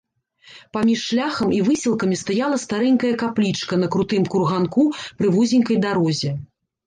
Паміж шляхам і выселкамі стаяла старэнькая каплічка на крутым курганку пры вузенькай дарозе.